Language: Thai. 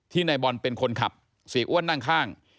นายบอลเป็นคนขับเสียอ้วนนั่งข้าง